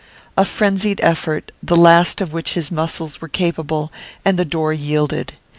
A frenzied effort, the last of which his muscles were capable, and the door yielded.